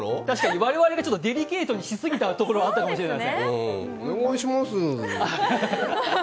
我々がデリケートにしすぎたところあったかもしれない。